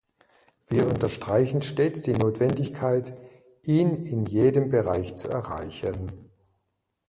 Wir unterstreichen stets die Notwendigkeit, ihn in jedem Bereich zu erreichen.